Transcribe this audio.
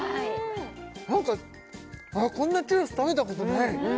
何かこんなチュロス食べたことない！